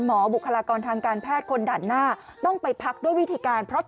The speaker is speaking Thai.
บุคลากรทางการแพทย์คนด่านหน้าต้องไปพักด้วยวิธีการเพราะ